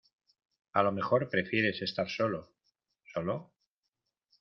a lo mejor prefieres estar solo. ¿ solo?